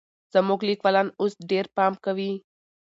زموږ ليکوالان اوس ډېر پام کوي.